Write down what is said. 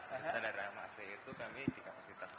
di standar rumah asli itu kami tiga fasilitas